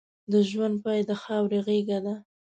د ژوند پای د خاورې غېږه ده.